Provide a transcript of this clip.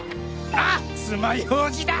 あっつまようじだ。